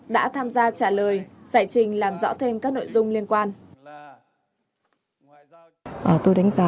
đã tham gia trả lời giải trình làm rõ thêm các nội dung liên quan